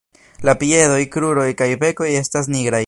La piedoj, kruroj kaj bekoj estas nigraj.